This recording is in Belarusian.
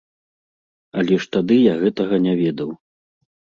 Але ж тады я гэтага не ведаў.